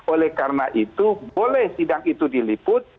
oleh karena itu boleh sidang itu diliput